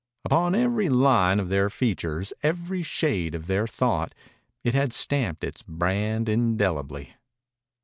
Upon every line of their features, every shade of their thought, it had stamped its brand indelibly.